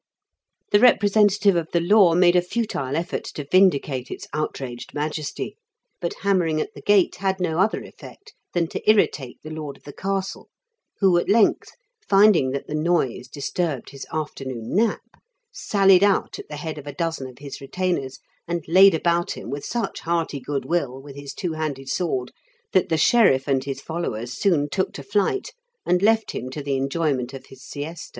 The representative of the law made a futile effort to vindicate its outraged majesty ; but hammer ing at the gate had no other effect than to irritate the lord of the castle, who at length, finding that the noise disturbed his afternoon nap, sallied out at the head of a dozen of his retainers, and laid about him with such hearty good will with his two handed sword that the sheriff and his followers soon took to 70 IN KENT WITH CHABLE8 DI0KEN8. flight, and left him to the enjoyment of his siesta.